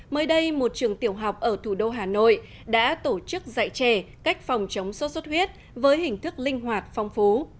mới đây một trường tiểu học ở thủ đô hà nội đã tổ chức dạy trẻ cách phòng chống sốt xuất huyết với hình thức linh hoạt phong phú